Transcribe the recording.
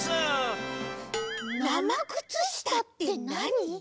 なまくつしたってなに？